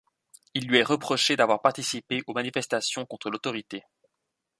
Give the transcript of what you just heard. Il lui est reproché d'avoir participé aux manifestations contre l'autorité.